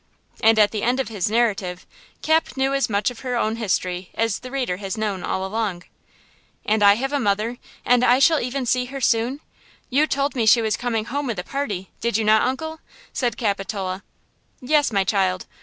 And at the end of his narrative Cap knew as much of her own history as the reader has known all along. "And I have a mother, and I shall even see her soon! You told me she was coming home with the party–did you not, Uncle?" said Capitola. "Yes, my child.